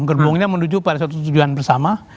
gerbongnya menuju pada satu tujuan bersama